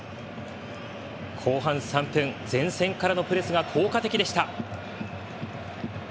後半３分前線からのプレスが効果的でした。